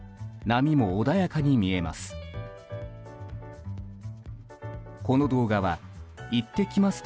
波も穏やかに見えます。